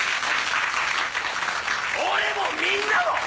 俺もみんなも！